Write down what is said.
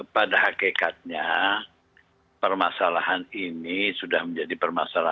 pada hakikatnya permasalahan ini sudah menjadi permasalahan